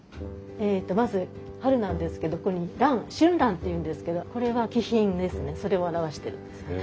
えっとまず春なんですけどここに蘭春蘭っていうんですけどこれは気品ですねそれを表してるんですよね。